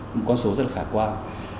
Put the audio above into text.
một con số rất khả quan